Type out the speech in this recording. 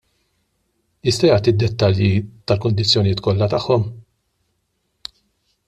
Jista' jagħti d-dettalji tal-kundizzjonijiet kollha tagħhom?